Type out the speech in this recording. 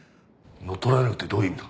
乗っ取られるってどういう意味だ？